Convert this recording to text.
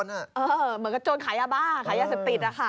เหมือนกับโจรขายยาบ้าขายยาเสพติด